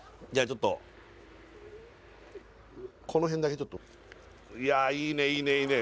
ちょっとこの辺だけちょっといやいいねいいねいいね